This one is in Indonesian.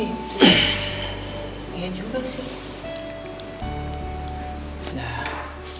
iya juga sih